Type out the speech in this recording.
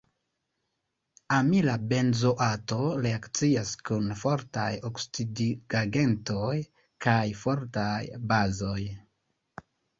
Amila benzoato reakcias kun fortaj oksidigagentoj kaj fortaj bazoj.